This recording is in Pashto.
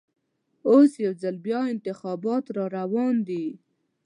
اوس یوځل بیا انتخابات راروان دي.